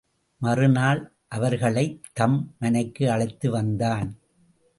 மறுநாள் அவர்களைத் தம் மனைக்கு அழைத்து வந்தான்.